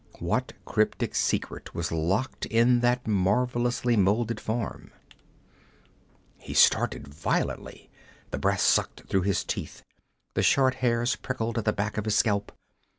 What cryptic secret was locked in that marvelously molded form? He started violently. The breath sucked through his teeth, the short hairs prickled at the back of his scalp.